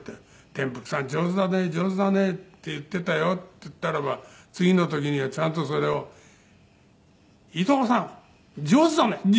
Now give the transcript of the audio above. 「てんぷくさん上手だね上手だね」って言ってたよって言ったらば次の時にはちゃんとそれを「伊東さん上手だね上手だね」。